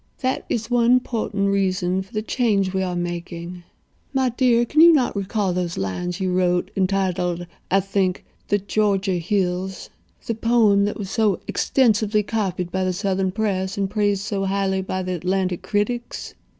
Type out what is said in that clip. That is one portent reason for the change we are making. My dear, can you not recall those lines you wrote—entitled, I think, 'The Georgia Hills'—the poem that was so extensively copied by the Southern press and praised so highly by the Atlanta critics?"